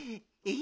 え？